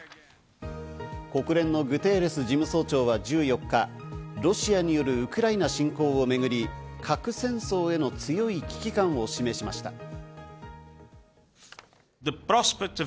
国連のグテーレス事務総長は１４日、ロシアによるウクライナ侵攻をめぐり、核戦争への強い危機感を示しました。